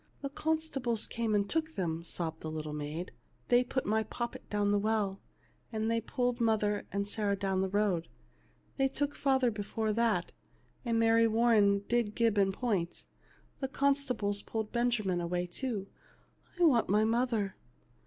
" The constables came and took them," sobbed the little maid. " They put my poppet down the well, and they pulled mother and Sarah down the road. They took father before that, and Mary Warren did gibe and point. The consta bles pulled Benjamin away too. I want my mother."